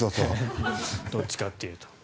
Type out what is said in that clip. どっちかというと。